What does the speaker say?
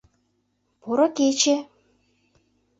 Поро кече!..